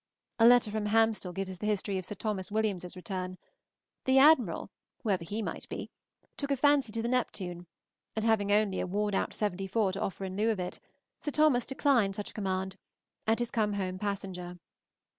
A letter from Hamstall gives us the history of Sir Tho. Williams's return. The Admiral, whoever he might he, took a fancy to the "Neptune," and having only a worn out 74 to offer in lieu of it, Sir Tho. declined such a command, and is come home passenger.